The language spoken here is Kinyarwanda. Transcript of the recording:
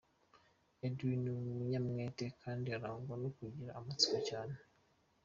Edwin ni umunyamwete, kandi arangwa no kugira amatsiko cyane.